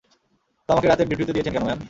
তো আমাকে রাতের ডিউটিতে দিয়েছেন কেন, ম্যাম?